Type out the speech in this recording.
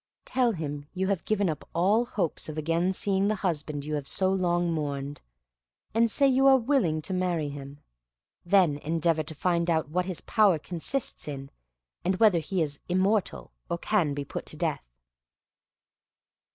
Tell him you have given up all hopes of again seeing the husband you have so long mourned, and say you are willing to harry him. Then endeavor to find out what his power consists in, and whether he is immortal, or can be put to death."